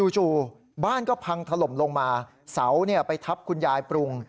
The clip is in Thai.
จู่บ้านก็พังถล่มลงมาเสาไปทับคุณยายปรุง